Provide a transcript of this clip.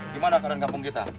gimana keadaan kampung kita